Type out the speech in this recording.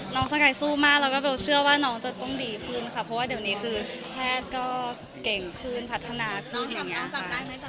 สกายสู้มากแล้วก็เบลเชื่อว่าน้องจะต้องดีขึ้นค่ะเพราะว่าเดี๋ยวนี้คือแพทย์ก็เก่งขึ้นพัฒนาน้องจำได้ไหม